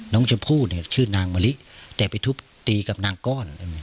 น้องชมพู่เนี่ยชื่อนางมะลิแต่ไปทุบตีกับนางก้อน